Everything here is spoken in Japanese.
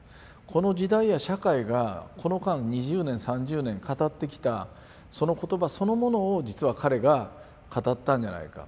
この時代や社会がこの間２０年３０年語ってきたその言葉そのものを実は彼が語ったんじゃないか。